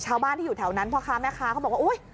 ชาวบ้านที่อยู่แถวนั้นพ่อค้าแม่ค้าเขาบอกว่าอุ๊ย